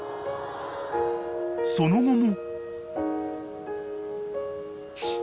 ［その後も］